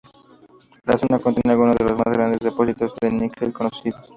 La zona contiene algunos de los más grandes depósitos de níquel conocidos.